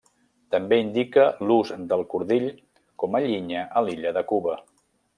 També indica l'ús del cordill com a llinya a l'illa de Cuba.